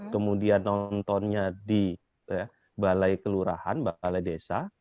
kemudian nontonnya di balai kelurahan balai desa